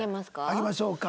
上げましょうか。